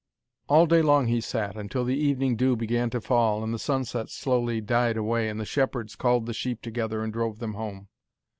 All day long he sat, until the evening dew began to fall, and the sunset slowly died away, and the shepherds called the sheep together and drove them home.